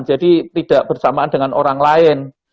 jadi tidak bersamaan dengan orang lain